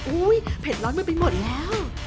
เผ็ดร้อนมันไปหมดแล้ว